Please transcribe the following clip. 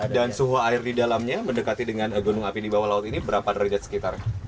dan suhu air di dalamnya mendekati dengan gunung api di bawah laut ini berapa derajat sekitar